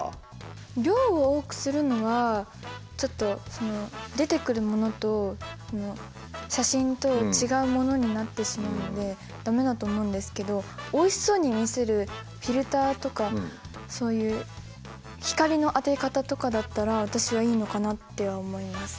量を多くするのはちょっとその出てくるものと写真と違うものになってしまうので駄目だと思うんですけどおいしそうに見せるフィルターとかそういう光の当て方とかだったら私はいいのかなって思います。